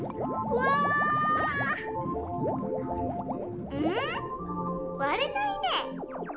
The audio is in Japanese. われないね。